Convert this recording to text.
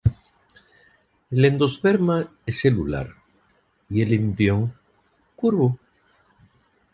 El endosperma es celular y el embrión curvo.